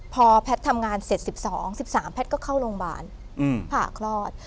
พอแพททำงานเสร็จสิบสองสิบสามแพทก็เข้าโรงบาลอืมผ่าคลอด